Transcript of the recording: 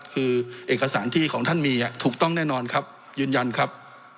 คือเอกสารที่ของท่านมีถูกต้องแน่นอนครับยืนยันครับ